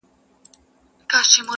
جهاني خیال یې زنګولم چي غزل مي لیکل -